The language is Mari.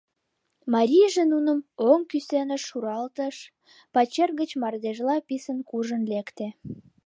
Марийже нуным оҥ кӱсеныш шуралтыш, пачер гыч мардежла писын куржын лекте.